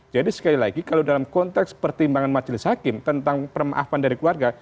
jadi sekali lagi kalau dalam konteks pertimbangan majelis hakim tentang permaafan dari keluarga